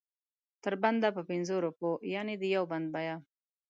تر بنده په پنځو روپو یعنې د یو بند بیه.